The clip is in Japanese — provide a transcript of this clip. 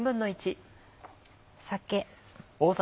酒。